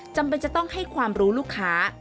จำเป็นจะต้องให้ความรู้ลูกค้า